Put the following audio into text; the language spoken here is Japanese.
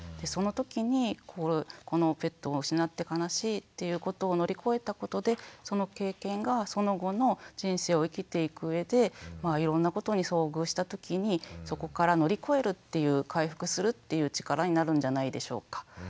その時にこのペットを失って悲しいっていうことを乗り越えたことでその経験がその後の人生を生きていく上でいろんなことに遭遇した時にそこから乗り越えるっていう回復するっていう力になるんじゃないでしょうか。